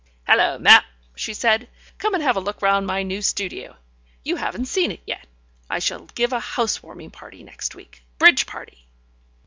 "Hullo, Mapp," she said. "Come and have a look round my new studio. You haven't seen it yet. I shall give a house warming next week. Bridge party!"